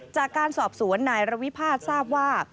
จากการสอบสวนนายระวิพาททราบว่า